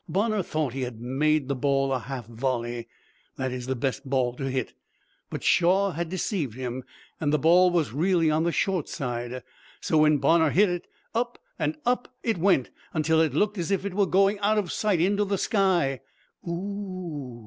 "Bonner thought he had made the ball a half volley that is the best ball to hit but Shaw had deceived him and the ball was really on the short side. So when Bonner hit it, up and up it went, until it looked as if it were going out of sight into the sky." "Oo!"